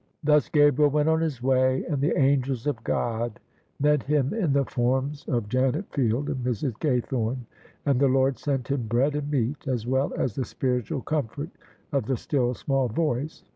Thus Gabriel went on his way, and the angels of God met THE SUBJECTION OF ISABEL CARNABY him in the forms of Janet Field and Mrs. Gaythorne; and the Lord sent him bread and meat, as well as the spiritual comfort of the still small voice.